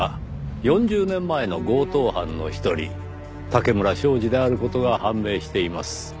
４０年前の強盗犯の一人竹村彰二である事が判明しています。